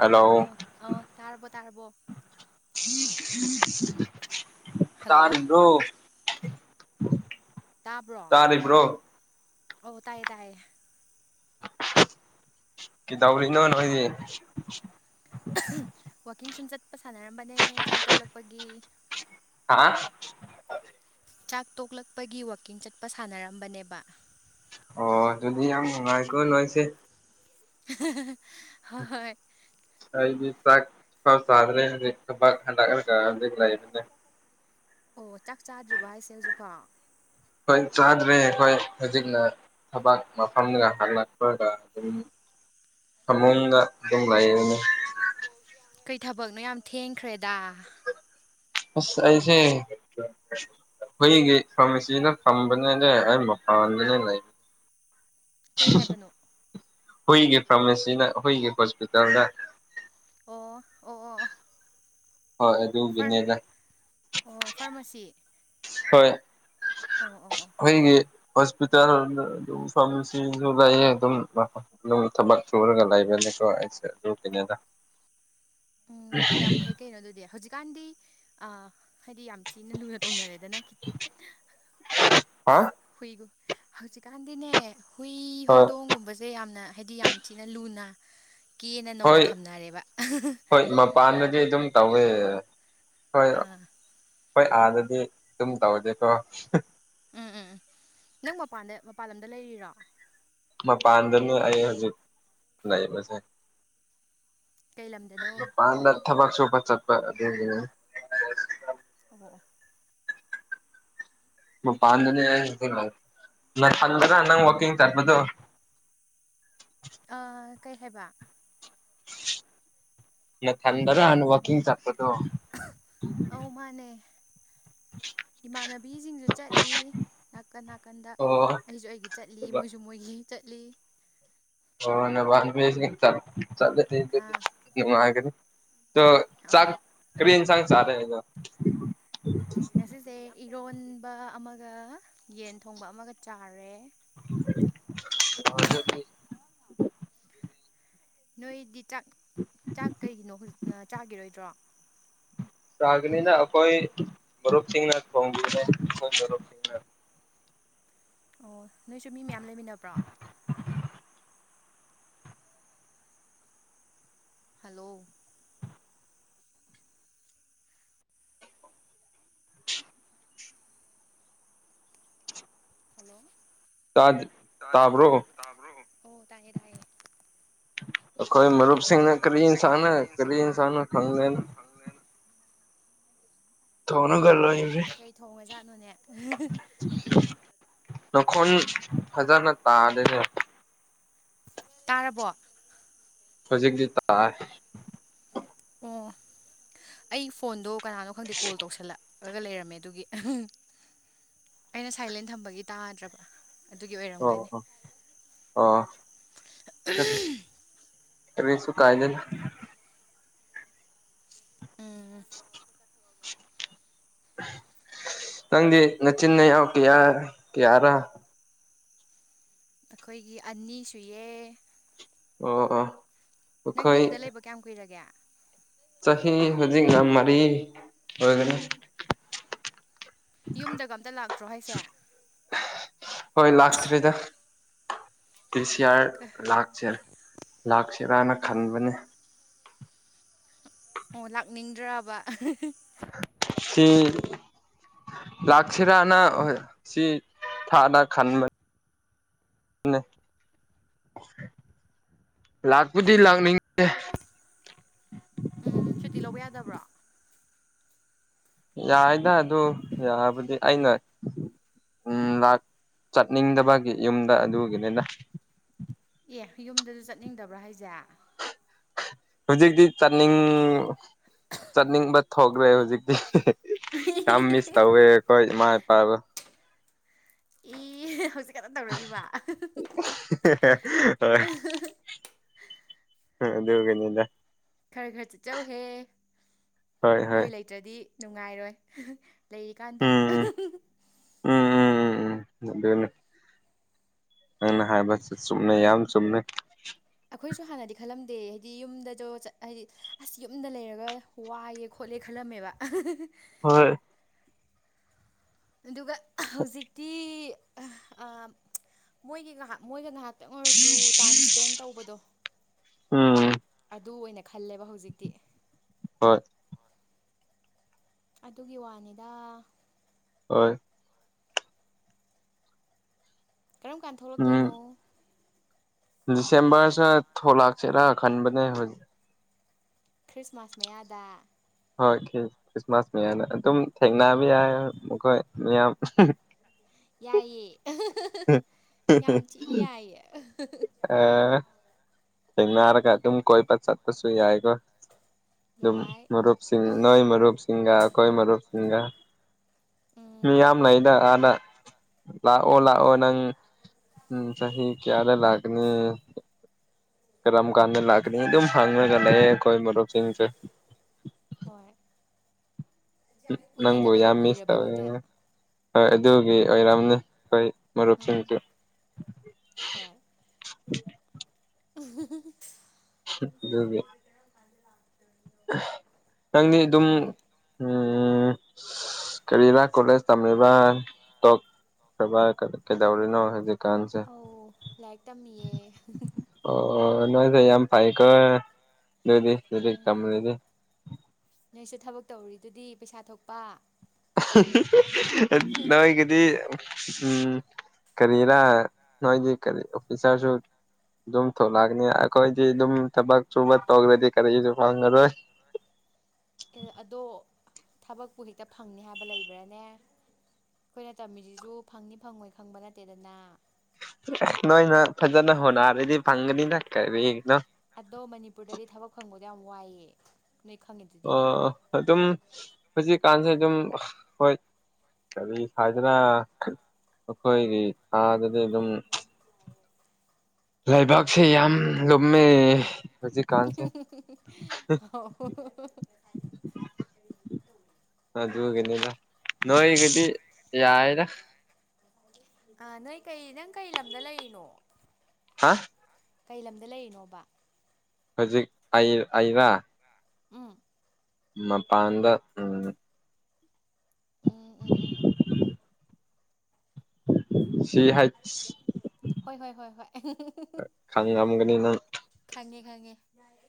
hello ꯇꯥꯔꯕꯣꯛ hello ꯇꯥꯟꯔꯕꯣ ꯇꯥꯔꯤꯕ꯭ꯔꯣ ꯑꯣ ꯇꯥꯏꯌꯦ ꯇꯥꯏꯌꯦ ꯀꯈꯤꯗꯎꯔꯤ ꯏ ꯅ ꯋꯥꯅ ꯑꯣꯏꯣꯏꯗꯤ ꯋꯥꯋꯀꯤꯡ ꯁꯨꯝ ꯆꯠꯄ ꯁꯥꯟꯅꯔꯝꯕꯅꯦ ꯆꯥꯛ ꯇꯣꯛꯂꯛꯄꯒꯤ ꯍꯥ ꯆꯥꯛ ꯇꯣꯛꯂꯛꯄꯒꯤ ꯋꯥꯋꯀꯤꯡ ꯆꯠꯄ ꯁꯥꯟꯅꯔꯝꯕꯅꯦꯕ ꯑꯣ ꯑꯗꯨꯗꯤ ꯌꯥꯝ ꯅꯨꯡꯉꯥꯏꯈꯣ ꯅꯣꯏꯁꯦ ꯍꯣꯏ ꯑꯩꯗꯤ ꯆꯥꯛ ꯄꯥꯎ ꯆꯥꯗ꯭ꯔꯦ ꯍꯧꯖꯤꯛꯕꯥꯛ ꯍꯟꯗꯛ ꯍꯧꯖꯤꯛ ꯂꯩꯕꯅꯦ ꯑꯣ ꯆꯥꯛ ꯆꯥꯗ꯭ꯔꯤꯕ ꯍꯥꯏꯁꯦ ꯍꯧꯖꯤꯛꯐꯥꯎ ꯍꯣꯏ ꯆꯥꯗ꯭ꯔꯦ ꯑꯩꯈꯣꯏ ꯍꯧꯖꯤꯛꯅ ꯊꯕꯥꯛ ꯃꯐꯝ ꯍꯜꯂꯠ ꯐ ꯑꯗꯨ ꯐꯃꯨꯡꯒ ꯑꯗꯨꯝ ꯂꯩꯌꯦꯅꯤ ꯀꯩ ꯊꯕꯛꯅꯣ ꯌꯥꯝ ꯊꯦꯡꯈ꯭ꯔꯦꯗ ꯑꯁ ꯑꯁꯦ ꯑꯩꯈꯏꯒꯤ ꯐꯥꯃꯤꯁꯤꯗ ꯐꯝꯕꯅꯦꯗ ꯑꯩ ꯃꯄꯅꯦ ꯂꯩ ꯀꯩ ꯍꯥꯏꯕꯅꯣ ꯍꯈꯏꯒꯤ ꯐꯥꯔꯃꯥꯁꯤꯗ ꯍꯈꯣꯏꯒꯤ ꯍꯣꯁꯄꯤꯇꯥꯜꯗ ꯑꯣ ꯑꯣ ꯑꯣ ꯍꯣꯏ ꯐꯔ ꯑꯗꯨꯒꯤꯅꯦꯗ ꯑꯣ ꯐꯥꯔꯃꯥꯁꯤ ꯍꯣꯏ ꯑꯣ ꯑꯣ ꯑꯣ ꯑꯩꯈꯣꯏꯒꯤ ꯍꯣꯁꯄꯤꯇꯥꯜ ꯑꯗꯨꯝ ꯐꯥꯔꯃꯥꯁꯤꯁꯨ ꯂꯩꯑ ꯑꯗꯨꯝ ꯊꯕꯛ ꯁꯨꯔꯒ ꯂꯩꯕ ꯂꯩ ꯁꯨꯦ ꯂ ꯀꯅꯦꯗ [unintelligible] ꯎꯝ ꯌꯥꯝ ꯐꯩ ꯀꯩꯅꯣ ꯑꯗꯨꯗꯤ ꯍꯧꯖꯤꯛꯀꯥꯟꯗꯤ ꯍꯥꯏꯗꯤ ꯌꯥꯝ ꯊꯤꯅ ꯂꯨꯅ ꯇꯣꯡꯅꯔꯦꯗꯅ ꯍꯥ ꯍꯨꯏꯒꯨꯝ ꯍꯧꯖꯤꯛꯀꯥꯟꯗꯤꯅꯦ ꯍꯨꯏ ꯍꯣꯏ ꯍꯧꯗꯣꯡꯒꯨꯝꯕꯁꯦ ꯌꯥꯝꯅ ꯍꯥꯏꯗꯤ ꯌꯥꯝ ꯊꯤꯅ ꯂꯨꯅ ꯀꯦꯅ ꯅꯧꯅ ꯍꯣꯏ ꯊꯝꯅꯔꯦꯕ ꯍꯣꯏ ꯃꯄꯥꯟꯗꯗꯤ ꯑꯗꯨꯝ ꯇꯧꯋꯦ ꯍꯣꯏ ꯑꯥ ꯍꯣꯏ ꯑꯥꯗꯗꯤ ꯑꯗꯨꯝ ꯇꯧꯗꯦꯀꯣ ꯎꯝ ꯎꯝ ꯎꯝ ꯅꯪ ꯃꯄꯥꯟꯗ ꯃꯄꯥꯟ ꯂꯝꯗ ꯂꯩꯔꯤꯔꯣ ꯃꯥ ꯄꯥꯟꯗꯅ ꯑ ꯍꯧꯖꯤꯛ ꯂꯩꯕꯁꯦ ꯀꯩ ꯂꯝꯗꯅꯣ ꯄꯗ ꯊꯕꯛꯁꯨꯄ ꯆꯠꯄ ꯑꯣꯃꯣꯛ ꯃ ꯄꯥꯟꯗꯅꯤ ꯌꯥ ꯅꯪꯜ꯭ꯔ ꯅꯪ ꯋꯥꯀꯤꯡ ꯇꯔꯔꯕꯗꯨꯣ ꯀꯩ ꯍꯥꯏꯕ ꯃ ꯊꯗꯔ ꯋꯥꯀꯤ ꯆ ꯑꯗꯣ ꯑꯧ ꯃꯥꯅꯦ ꯏꯃꯥꯟꯅꯕꯤꯁꯤꯡꯁꯨ ꯆꯠꯂꯤ ꯅꯥꯀꯟ ꯅꯥꯀꯟꯗ ꯑꯣ ꯑꯩꯁꯨ ꯑꯩꯒꯤ ꯆꯠꯂꯤ ꯃꯣꯏꯁꯨ ꯃꯣꯏꯒꯤ ꯆꯠꯂꯤ ꯑꯣ ꯅ ꯑꯥ ꯆ ꯆ ꯆ ꯑꯧ ꯀꯔꯤ ꯏꯟꯁꯥꯡ ꯆꯥꯂꯦꯖ ꯉꯁꯤꯁꯦ ꯏꯔꯣꯟꯕ ꯑꯃꯒ ꯌꯦꯟ ꯊꯣꯡꯕ ꯑꯃꯒ ꯆꯥꯔꯦ ꯑ ꯅꯣꯏꯗꯤ ꯆꯥꯛ ꯆꯥꯛ ꯀꯩꯒꯤꯅꯣꯖꯤꯛ ꯆꯥꯈꯤꯔꯣꯏꯗ꯭ꯔꯣ ꯁꯥꯒꯅꯤꯅ ꯑꯩꯈꯣꯏ ꯃꯔꯨꯞꯁꯤꯡꯅ ꯊꯣꯡꯕꯤꯅꯦ ꯑꯩꯈꯣꯏ ꯃꯔꯨꯞꯁꯤꯡꯅ ꯑꯣ ꯅꯣꯏꯁꯨ ꯃꯤ ꯃꯌꯥꯝ ꯂꯩꯃꯤꯟꯅꯕ꯭ꯔꯣ ꯍꯜꯂꯣ ꯎ ꯍꯜꯂꯣ ꯇꯥꯖ ꯇꯥꯕ꯭ꯔꯣ ꯑꯣ ꯇꯥꯏꯌꯦ ꯇꯥꯏꯌꯦ ꯑꯩꯈꯣꯏ ꯃꯔꯨꯞꯁꯤꯡꯅ ꯀꯔꯤ ꯏꯟꯁꯥꯅ ꯀꯔꯤ ꯏꯟꯁꯥꯅ ꯈꯪ ꯑꯣ ꯂꯣꯏꯔꯦ ꯀꯩ ꯊꯣꯡꯉ ꯖꯥꯠꯅꯣꯅꯦ ꯅꯈꯣꯟ ꯐꯖꯅ ꯇꯥꯗꯅꯦ ꯇꯥꯔꯕꯣ ꯍꯧꯖꯤꯛꯇꯤ ꯇꯥ ꯑꯣ ꯑꯩ ꯐꯣꯟꯗꯣ ꯀꯅꯥꯅꯣ ꯈꯪꯗꯦ ꯀꯣꯜ ꯇꯧꯁꯜꯂꯛ ꯒ ꯂꯩꯔꯝꯃꯦ ꯑꯗꯨꯒꯤ ꯑꯩꯅ ꯁꯥꯏꯂꯦꯟ ꯊꯝꯕꯒꯤ ꯇꯥꯗ꯭ꯔꯕ ꯑꯗꯨꯒꯤ ꯑꯣꯏꯔꯝꯒꯅꯤ ꯑ ꯑ ꯔꯔꯤꯁꯣ ꯀꯥꯏꯗꯟ ꯎꯝ [unintelligible] ꯅꯪꯗꯤ ꯅꯆꯤꯟꯅ ꯌꯥꯎ ꯀꯌꯥ ꯀꯌꯥꯔ ꯑꯩꯈꯣꯏꯒꯤ ꯑꯅꯤ ꯁꯑ ꯑꯣ ꯑꯥ ꯅꯪꯗꯤꯗ ꯂꯩꯕ ꯀꯌꯥꯝ ꯀꯨꯏꯔꯒꯦ ꯆꯍꯤ ꯍꯧꯖꯤꯛ ꯌꯥꯝ ꯃꯔꯤ ꯑꯣꯏꯒꯦꯔ ꯌꯨꯝꯗꯒ ꯑ ꯑꯃꯇ ꯂꯥꯛꯇ꯭ꯔꯣ ꯍꯥꯏꯁꯦ ꯍꯣꯏ ꯂꯥꯛꯥꯛꯇꯔꯤꯦꯗ ꯑꯣ ꯇ꯭ꯔꯤꯁꯌꯥꯔ ꯂꯥꯛꯁꯦ ꯂꯥꯛꯁꯦꯔꯥꯅ ꯈꯟꯕꯅꯦ ꯑꯣ ꯂꯥꯛꯅꯤꯡꯗ꯭ꯔꯕ ꯁꯤ ꯂꯥꯛꯁꯤꯔꯥꯅ ꯁꯤ ꯊꯥꯅ ꯈꯟꯕꯅꯤ ꯑꯂ ꯂꯥꯛꯄꯨꯗꯤ ꯂꯥꯛꯅꯤꯡꯗꯦ ꯎꯝ ꯁꯨꯇꯤ ꯂꯧꯕ ꯌꯥꯗꯕ꯭ꯔꯣ ꯌꯥꯏꯗ ꯑꯗꯨ ꯌꯥꯕꯗꯤ ꯑꯩꯅ ꯎꯝ ꯂꯥꯛ ꯆꯠꯅꯤꯡꯗꯕꯒꯤ ꯌꯨꯝꯗ ꯑꯗꯨꯒꯤꯅꯤꯅ ꯑꯦ ꯌꯨꯝꯗꯁꯨ ꯆꯠꯅꯤꯡꯗꯕ꯭ꯔꯥ ꯍꯥꯏꯁꯦ ꯍꯧꯖꯤꯛꯇꯤ ꯆꯠꯅꯤꯡ ꯆꯠꯅꯤꯡꯕ ꯊꯣꯛꯈ꯭ꯔꯦ ꯍꯧꯖꯤꯛꯇꯤ ꯀꯝ ꯃꯤꯁ ꯇꯧꯋꯦ ꯀꯣꯏ ꯃꯥꯥꯏ ꯄꯕ ꯏ ꯍꯧꯖꯤꯛ ꯀꯩꯅ ꯇꯧꯔꯛꯏꯕ ꯍꯣꯏ ꯎ ꯗꯒꯅꯗ ꯈꯔ ꯈꯔ ꯆꯠꯆꯧꯍꯦ ꯍꯣꯏ ꯍꯣꯏ ꯃꯣꯏ ꯂꯩꯇ꯭ꯔꯗꯤ ꯅꯨꯡꯉꯥꯏꯔꯣꯏ ꯂꯩꯔꯤꯀꯥꯟꯗ ꯎꯝ ꯎꯝ ꯎꯝ ꯎꯝ ꯎꯝ ꯑꯗꯨ ꯅꯪꯅ ꯍꯥꯏꯕꯁ ꯆꯨꯝꯅꯩ ꯌꯥꯝ ꯆꯨꯝꯅꯩ ꯑꯩꯈꯣꯏꯁꯨ ꯍꯥꯟꯅꯗꯤ ꯈꯜꯂꯝꯗꯦ ꯍꯥꯏꯗꯤ ꯌꯨꯝꯗꯁꯨ ꯍꯥꯏꯗꯤ ꯑꯁ ꯌꯨꯝꯗ ꯂꯩꯔꯒ ꯋꯥꯏꯑꯦ ꯈ ꯎꯂꯤꯦꯈꯂ ꯑꯃꯕ ꯍꯣꯏ ꯑꯗꯨꯒ ꯍꯧꯖꯤꯛꯇꯤ ꯃꯣꯏꯒꯤ ꯉꯥꯏꯍꯥꯛ ꯃꯣꯏꯒ ꯉꯍꯥꯛ ꯈꯤꯇꯪ ꯑꯣꯏꯔꯁꯨ ꯇꯥꯏꯝ ꯁ꯭ꯄꯦꯟ ꯇꯧꯕꯗꯣ ꯎꯝ ꯑꯗꯨ ꯑꯣꯏꯅ ꯈꯜꯂꯦꯕ ꯍꯧꯖꯤꯛꯇꯤ ꯍꯣꯏ ꯑꯗꯨꯒꯤ ꯋꯥꯅꯤꯗ ꯍꯣꯏ ꯀꯔꯝ ꯀꯥꯟ ꯊꯣꯛꯂꯛꯇꯣꯏꯅꯣ ꯗꯤꯁꯦꯝꯕꯔꯁꯤ ꯊꯣꯛꯂꯛꯁꯤꯔꯥ ꯈꯟꯕꯅꯦ ꯍꯧꯖꯤꯛ ꯈ꯭ꯔꯤꯁꯃꯥꯁ ꯃꯌꯥꯗ ꯍꯣꯏ ꯈ꯭ꯔꯤꯁꯃꯥꯁ ꯃꯌꯥꯅ ꯑꯗꯨꯝ ꯊꯦꯡꯕ ꯌꯥꯏ ꯃꯈꯣꯏ ꯃꯤꯌꯥꯝ ꯌꯥꯌꯦꯦ ꯌꯥꯏꯌꯦ ꯑ ꯊꯟꯅꯔꯒ ꯊꯣꯛ ꯑꯗꯨ ꯀꯣꯏ ꯄ ꯆꯠꯄꯁꯨ ꯌꯥꯏꯒꯣ ꯑꯗꯨ ꯌꯥꯏ ꯃꯔꯨꯞ ꯁꯤꯁꯤꯡ ꯅꯣꯏ ꯃꯔꯨꯞ ꯁꯤꯁꯤꯡꯍ ꯑꯩꯣꯏ ꯃꯔꯨꯞ ꯁꯤꯁꯤꯡꯍ ꯎꯝ ꯃꯤꯌꯥꯝ ꯂꯩꯏꯗ ꯑꯗ ꯂꯥꯛꯑꯣ ꯂꯥꯛꯑꯣ ꯅꯪ ꯎꯝ ꯆꯍꯤ ꯀꯌꯥꯗ ꯂꯥꯛꯀꯅꯤ ꯀꯔꯝ ꯀꯥꯟꯗ ꯂꯥꯛꯀꯅꯤ ꯑꯗꯨꯝ ꯎꯝ ꯐꯪꯉꯒ ꯂꯩ ꯀꯣꯏ ꯃꯔꯔꯨꯞ ꯁꯤꯁꯦ ꯍꯣꯏ ꯅꯪꯕꯨ ꯎꯅꯗꯕꯗꯣ ꯌꯥꯝ ꯃꯤꯁ ꯇꯧꯋꯦ ꯀꯨꯏꯔꯕꯅꯤꯅ ꯍꯣꯏ ꯑꯗꯨꯒꯤ ꯑꯣꯏꯔꯝꯅꯤ ꯀ ꯎꯝ ꯃꯔꯔꯁꯤꯇ ꯎ ꯑꯗꯨꯒ ꯅꯪꯗꯤ ꯑꯗꯨꯝ ꯍꯣꯏ ꯎꯝ ꯎꯝ ꯀꯔꯤꯔ ꯀꯣꯂꯦꯖ ꯇꯝꯃꯤꯕ ꯈꯕꯥ ꯀ ꯀꯩꯗꯧꯔꯤꯅ ꯍꯖꯤ ꯑ ꯂꯩꯛꯇꯝ ꯌꯦ ꯅꯁ ꯌꯥꯝ ꯐꯥꯏꯀ ꯅꯨꯗꯨꯗꯤꯗꯤ ꯀꯗꯤ ꯅꯣꯏꯁꯨ ꯊꯕꯛ ꯇꯧꯔꯤꯗꯨꯗꯤ ꯄꯩꯁꯥ ꯊꯣꯛꯄ ꯅ ꯏꯒꯗꯤ ꯎꯝ ꯀꯔꯤꯔ ꯅꯗꯤꯔꯤ ꯑꯣꯐꯤꯁꯔꯁꯨ ꯑꯗꯨ ꯊꯂꯀꯅꯤ ꯀꯣꯏ ꯑꯗꯨ ꯊꯕꯛ ꯆꯨꯕ ꯇꯒ꯭ꯔꯗꯤ ꯐꯔ ꯑꯣꯏꯣꯏ ꯑꯗꯣ ꯊꯕꯛꯄꯨ ꯍꯦꯛꯇ ꯐꯪꯅꯤ ꯍꯥꯏꯕ ꯂꯩꯕ꯭ꯔꯥꯅꯦ ꯑꯩꯈꯣꯏꯅ ꯇꯝꯃꯤꯁꯤꯁꯨ ꯐꯪꯅꯤ ꯐꯪꯉꯣꯏ ꯈꯪꯕ ꯅꯠꯇꯦꯗꯅ ꯅꯣꯏ ꯅ ꯐꯖꯅ ꯍꯣꯅꯔꯗꯤ ꯐꯥꯒꯅꯤ ꯊꯥꯛ ꯀꯥꯏꯅꯣ ꯑꯗꯣ ꯃꯅꯤꯄꯨꯔꯗꯗꯤ ꯊꯕꯛ ꯐꯪꯕꯗꯣ ꯌꯥꯝ ꯋꯥꯏꯑꯦ ꯅꯣꯏ ꯑ ꯈꯪꯉꯤꯗꯨꯗꯤ ꯑꯗꯨꯝ ꯍꯧꯖꯤꯛꯀꯥꯟꯁꯦ ꯑꯗꯨꯝ ꯍꯣꯏ ꯀꯔꯤ ꯍꯥꯏꯗꯅ ꯑꯩꯈꯣꯏꯒꯤ ꯊꯥꯗꯗꯤ ꯑꯗꯨꯝ ꯂꯩꯕꯥꯛꯁꯦ ꯌꯥꯝ ꯂꯨꯝꯃꯦ ꯍꯧꯖꯤ ꯀꯥꯟꯁꯦ ꯑꯗꯨꯒꯅꯤꯗ ꯅꯣꯏꯒꯗꯤ ꯌꯥꯔꯔ ꯑ ꯅꯣꯏ ꯀꯩ ꯅꯪ ꯀꯩ ꯂꯝꯗ ꯂꯩꯔꯤꯅꯣ ꯍꯥ ꯀꯩ ꯂꯝꯗ ꯂꯩꯔꯤꯅꯣꯕ ꯍꯧꯖꯤꯛ ꯑꯔ ꯎꯝ ꯃꯄꯥꯟꯗ ꯎꯝ ꯎꯝ ꯎꯝ ꯎꯝ ꯎꯝ ꯁꯤꯍꯠ ꯍꯣꯏ ꯍꯣꯏ ꯍꯣꯏ ꯍꯣꯏ ꯈꯪꯉꯝꯒꯅꯤ ꯅꯪ ꯈꯪꯉꯦ ꯈꯪꯉꯦ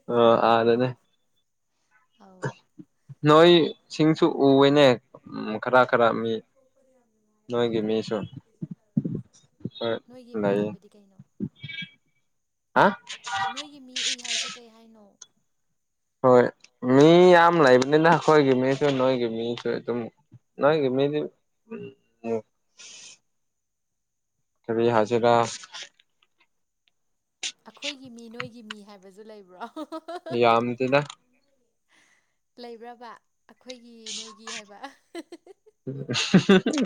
ꯑ ꯑꯗꯅꯦ ꯑꯧ ꯅꯣꯏ ꯁꯤꯡꯁꯨ ꯎꯋꯦꯅꯦ ꯈꯔ ꯈꯔ ꯃꯤ ꯅꯒꯤ ꯀꯩꯕꯣ ꯃꯤꯁꯣꯔ ꯅꯣꯏꯒꯤ ꯃꯤ ꯍꯥꯏꯕꯗꯤ ꯀꯩꯅꯣ ꯍꯥ ꯅꯣꯏꯒꯤ ꯃꯤ ꯎꯏ ꯍꯥꯏꯁꯦ ꯀꯩ ꯍꯥꯏꯅꯣ ꯍꯣꯏ ꯃꯤ ꯌꯥꯝꯝ ꯂꯥꯏꯕꯗ ꯍꯒꯦꯃꯤꯁꯨ ꯅꯣꯏꯒꯦ ꯃꯤꯁꯨꯝ ꯅ ꯃꯤꯗꯤ ꯐ ꯍꯖꯤꯔꯥ ꯑꯩꯈꯣꯏꯒꯤ ꯃꯤ ꯅꯣꯏꯒꯤ ꯃꯤ ꯍꯥꯏꯕꯁꯨ ꯂꯩꯕ꯭ꯔꯣ ꯌꯥꯝꯝꯗꯗ ꯂꯩꯕ꯭ꯔꯕ ꯑꯩꯈꯣꯏꯒꯤ ꯅꯣꯏꯒꯤ ꯍꯥꯏꯕ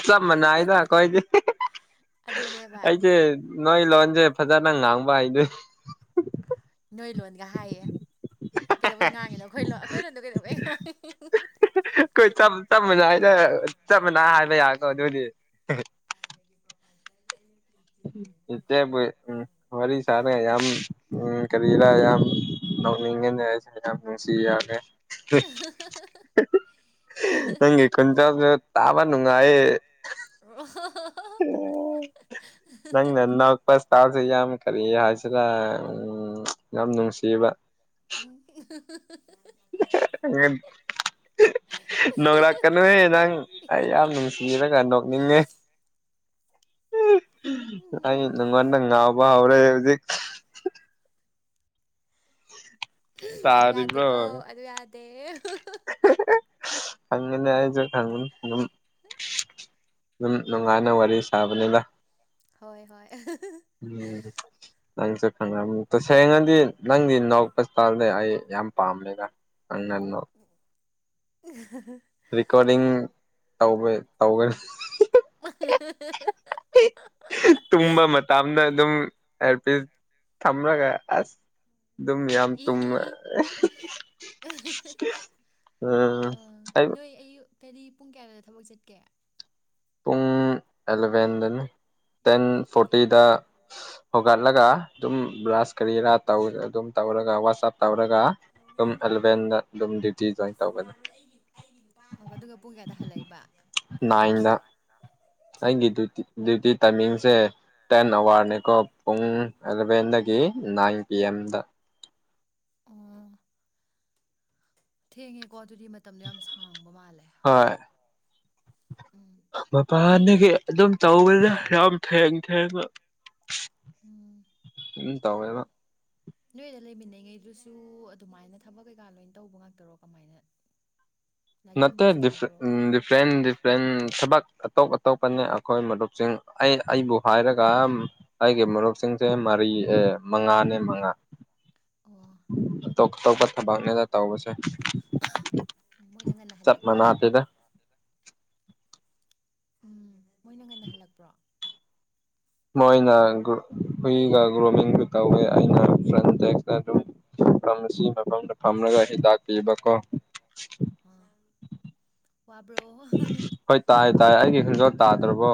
ꯁ ꯃꯅꯥꯏꯗ ꯀꯣꯏꯗꯤ ꯑꯗꯨꯅꯦꯕ ꯑꯩꯁꯦ ꯅꯣꯏ ꯂꯣꯟꯁꯦ ꯐꯖꯅ ꯉꯥꯡꯕ ꯍꯥꯏꯗꯣꯏ ꯅꯣꯏ ꯂꯣꯟꯒ ꯍꯥꯏꯌꯦ ꯀꯩꯗꯧꯕꯩ ꯉꯥꯡꯉꯤꯅꯣ ꯑꯩꯈꯣꯏꯂꯣ ꯑꯩꯈꯣꯏꯅ ꯑꯗꯨꯗꯝ ꯀꯩꯗꯧꯕꯩ ꯉ ꯑꯩꯈꯣꯏ ꯆꯞ ꯃꯥꯟꯅ ꯍꯥꯏꯅ ꯆꯞ ꯃꯥꯟꯅ ꯍꯥꯏꯕ ꯌꯥꯀꯣ ꯑꯗꯨꯗꯤ ꯏꯇꯦ ꯎ ꯋꯥꯔꯤꯔꯤ ꯁꯔꯦ ꯌꯥꯝ ꯎ ꯀꯔꯤꯔ ꯌꯥꯝ ꯉ ꯁꯤꯁꯤꯒꯦ ꯑ ꯅꯦ ꯈꯨ ꯇꯥꯕꯅꯨꯉꯑꯦ ꯅꯪ ꯅꯅ ꯋꯥ ꯐ ꯇꯥ ꯊꯔꯤ ꯍꯥꯏꯥꯏꯆꯔꯥ ꯎꯝ ꯌꯥꯝꯝ ꯅꯨꯡꯁꯤꯕ ꯎꯝ ꯑ ꯅꯣꯡꯂꯛꯀꯅꯨꯍꯦ ꯅꯪ ꯑꯩ ꯌꯥꯝ ꯅꯨꯡꯁꯤꯔꯒ ꯅꯣꯛꯅꯤꯡꯉꯦ ꯅꯪꯉꯣꯟꯅꯒꯥꯎꯕ ꯍꯧꯖꯤ ꯑꯗꯨ ꯌꯥꯗꯦꯀꯣ ꯑꯗꯨ ꯌꯥꯗꯦ ꯈꯅꯦ ꯍꯥꯏꯖ ꯈꯪꯉꯨꯝ ꯊꯨꯝ ꯑꯗꯨꯝ ꯅꯨꯡꯉꯥꯏꯅ ꯋꯥꯔꯤ ꯁꯥꯕꯅꯤꯅ ꯍꯣꯏ ꯍꯣꯏ ꯅꯪꯁꯨ ꯈꯪꯅꯝꯃꯤ ꯇꯁꯦꯡꯅꯗꯤ ꯅꯪꯗꯤ ꯅꯥꯎꯛꯄꯁꯇꯥꯜꯗꯤ ꯑꯩ ꯌꯥꯝ ꯄꯥꯝꯃꯦꯅ ꯑꯉꯅꯣ [inaudible] ꯀꯣꯔꯗꯤꯡ ꯇ ꯇꯧꯒꯅꯤ ꯇꯨꯝꯕ ꯃꯇꯝꯗ ꯑꯗꯨꯝ ꯑꯦꯔ ꯄꯁ ꯊꯥꯡꯝꯕꯂꯒ ꯑꯁ ꯑꯗꯨꯝ ꯌꯥꯝ ꯏ ꯇꯨꯝꯃꯦ ꯎꯝ ꯑꯩ ꯀꯔꯤ ꯄꯨꯡ ꯀꯌꯥꯅꯣꯗ ꯊꯕꯛ ꯆꯠꯀꯦ ꯄꯨꯡ ꯑꯦꯂꯚꯦꯟꯗꯅ ꯇꯦꯟ ꯐꯣꯔꯇꯤꯗ ꯍꯧꯒꯠꯂꯒ ꯑꯗꯨꯝ ꯕ꯭ꯂꯥꯁ ꯀꯔꯤꯔꯥ ꯑꯗꯨꯝ ꯇꯧꯔꯒ ꯋꯥꯆꯞ ꯇꯧꯔꯒ ꯑꯗꯨꯝ ꯑꯦꯂꯚꯦꯟꯗ ꯑꯗꯨꯝ ꯗꯤꯌꯇꯤ ꯖꯟ ꯇꯧꯕꯅꯦ ꯑꯗꯨꯒ ꯄꯨꯡ ꯀꯌꯥꯗ ꯍꯜꯂꯛꯏꯕ ꯅꯥꯏꯟꯗ ꯊꯤ ꯑꯩꯒꯤ ꯗ꯭ꯌꯨꯇꯤ ꯇꯥꯏꯃꯤꯡꯁꯦ ꯇꯦꯟ ꯑꯋꯥꯔ ꯅꯤꯀꯣ ꯄꯨꯡ ꯑꯦꯂꯕꯦꯟꯗꯒꯤ ꯅꯥꯏꯟ ꯄꯤ ꯑꯦꯝꯗ ꯑꯣ ꯊꯦꯡꯉꯦꯀꯣ ꯑꯗꯨꯗꯤ ꯃꯇꯝꯗꯣ ꯌꯥꯝ ꯁꯥꯡꯕ ꯃꯥꯜꯂꯦ ꯎꯝ ꯄꯄꯅꯤ ꯅꯣꯏ ꯑꯗꯨꯝ ꯆꯧꯕ ꯌꯥꯝ ꯌꯥꯝ ꯊꯦꯡꯡ ꯊꯦꯡꯉ ꯎꯝ ꯎꯝ ꯇꯧꯋꯦꯗ ꯅꯣꯏꯗ ꯂꯩꯃꯤꯟꯅꯉꯩꯗꯨꯁꯨ ꯑꯗꯨꯃꯥꯏꯅ ꯊꯕꯛ ꯀꯩꯀꯥ ꯂꯣꯏꯅ ꯇꯧꯕ ꯉꯥꯛꯇꯔꯣ ꯀꯃꯥꯏꯅ ꯂꯥꯏꯔꯤꯛ ꯅꯠꯇꯦ ꯇꯝꯕꯁꯨ ꯌꯥꯎꯕ꯭ꯔꯣ ꯗꯤꯐ꯭ꯔꯦꯟ ꯗꯤꯐ꯭ꯔꯦꯟ ꯊꯕꯛ ꯑꯇꯣꯞ ꯑꯇꯣꯞꯄꯅꯤ ꯑꯩꯈꯣꯏ ꯃꯔꯨꯞꯁꯤꯡ ꯑꯩ ꯑꯩꯕꯨ ꯍꯥꯏꯔꯒ ꯑꯩꯒꯤ ꯃꯨꯞꯁꯤꯡꯁꯦ ꯃꯔꯤ ꯑꯦ ꯃꯉꯥꯅꯦ ꯃꯉꯥ [inaudible] ꯑ ꯇꯣꯇꯣꯄ ꯊꯚꯅꯦꯗ ꯇꯕꯁꯦ ꯃꯣꯏꯅ ꯉꯟꯅ ꯆꯠ ꯍꯜꯂꯛꯄ ꯃꯅꯥꯇꯗ ꯎꯝ ꯃꯣꯏꯅꯪ ꯉꯟꯅ ꯍꯜꯂꯛꯄ꯭ꯔꯣ ꯃꯣꯏꯅꯒ ꯍꯨꯏꯒ ꯒ꯭ꯔꯨꯃꯤꯡꯁꯨ ꯇꯧꯋꯦ ꯑꯩꯅ ꯐ꯭ꯔꯟꯦꯛꯁꯇ ꯑꯗꯨꯝ ꯐꯝ ꯑꯁꯤ ꯃꯐꯝꯗ ꯐꯝꯂꯒ ꯍꯤꯗꯥꯛ ꯄꯤꯕ ꯀꯣ ꯑꯥ ꯋꯥꯕ꯭ꯔꯣ ꯍꯣꯏ ꯇꯥꯏ ꯇꯥꯏ ꯑꯩꯒꯤ ꯈꯣꯟꯖꯦꯜ ꯇꯥꯗ꯭ꯔꯕꯣ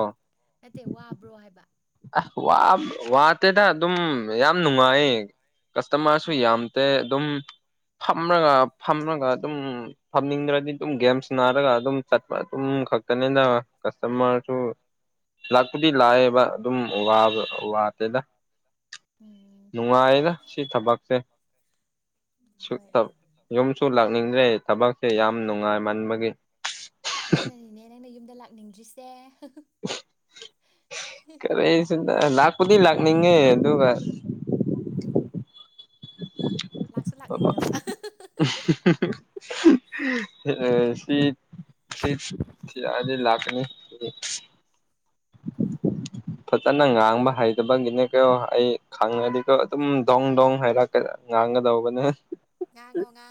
ꯅꯠꯇꯦ ꯋꯥꯕ꯭ꯔꯣ ꯍꯥꯏꯕ ꯑ ꯋꯥ ꯋꯥꯇꯦꯗ ꯑꯗꯨꯝ ꯌꯥꯝ ꯅꯨꯡꯉꯥꯏ ꯀꯁꯇꯃꯔꯁꯨ ꯎꯝ ꯌꯥꯝꯇ ꯑꯗꯨꯝ ꯐꯝꯂꯒ ꯐꯝꯃꯒ ꯑꯗꯨꯝ ꯐꯝꯅꯤꯡꯗ꯭ꯔꯗꯤ ꯑꯗꯨꯝ ꯒꯦꯝꯁ ꯅꯥꯔꯒ ꯑꯗꯨꯝ ꯆꯠꯄ ꯑꯗꯨꯝ ꯈꯛꯇꯅꯤꯅ ꯀꯁꯇꯃꯔꯁꯨ ꯂꯥꯛꯄꯨꯗꯤ ꯂꯥꯛꯑꯦꯕ ꯑꯗꯨꯝꯕ ꯋꯥꯗꯦꯗ ꯎꯝ ꯅꯨꯡꯉꯥꯏꯌꯦꯗ ꯁꯤ ꯊꯕꯛꯁꯦ ꯍꯣꯏ ꯌꯨꯝꯁꯨ ꯂꯥꯛꯅꯤꯡꯗ꯭ꯔꯦ ꯊꯕꯛꯁꯦ ꯌꯥꯝ ꯅꯨꯡꯉꯥꯏ ꯃꯟꯕꯒꯤ ꯑꯗꯨꯅꯅꯤꯅꯦ ꯅꯪꯅ ꯌꯨꯝꯗ ꯂꯥꯛꯅꯤꯡꯗꯦ ꯀꯔꯤꯁꯨꯗ ꯂꯥꯛꯄꯨꯗꯤ ꯂꯥꯛꯅꯤꯡꯉꯦ ꯑꯗꯨꯒ ꯂꯥꯛꯁꯨ ꯑꯕꯥ ꯂꯥꯛꯅꯤꯡꯗꯕ ꯁꯤꯠ ꯁꯤꯠ ꯊ ꯑ ꯂꯥꯈꯅꯤ [inaudible] ꯐꯖꯅ ꯉꯥꯡꯕ ꯍꯩꯇꯕꯒꯤꯅꯦ ꯀꯩꯅꯣ ꯑꯩ ꯈꯪꯉꯗꯤ ꯀꯣ ꯑꯗꯨꯝ ꯗꯣꯡ ꯗꯣꯡ ꯍꯩꯔꯛꯀ ꯉꯥꯡꯒꯗꯧꯒꯅꯦ ꯉꯉꯣ ꯉ